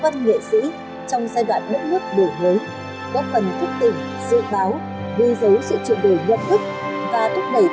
văn nghệ sĩ trong thời kỳ đổi mới và trong đó rất nhiều bức trà họ được đào tạo bài bạc